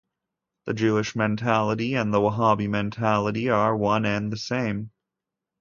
The Jewish mentality and the Wahhabi mentality are one and the same.